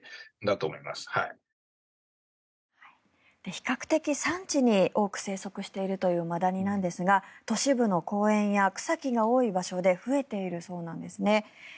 比較的山地に多く生息しているというマダニなんですが都市部の公園や草木が多い場所で増えているそうなんですね。